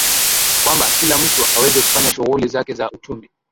kwamba kila mtu aweze kufanya shughuli zake za uchumi